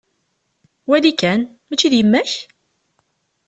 Wali kan! Mačči d yemma-k?